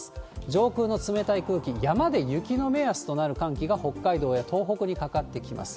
上空の冷たい空気、山で雪の目安となる寒気が北海道や東北にかかってきます。